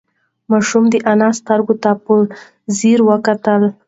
ماشوم د انا سترگو ته په ځير وکتل.